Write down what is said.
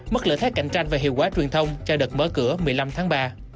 mất lợi thách cạnh tranh và hiệu quả truyền thông cho đợt mở cửa một mươi năm tháng ba